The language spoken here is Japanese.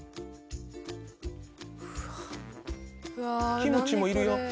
キムチもいるよ。